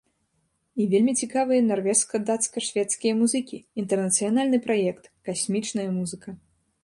І вельмі цікавыя нарвежска-дацка-шведскія музыкі, інтэрнацыянальны праект, касмічная музыка!